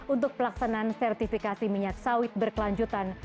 untuk pelaksanaan sertifikasi minyak sawit berkelanjutan